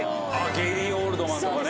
ゲイリー・オールドマンとかね。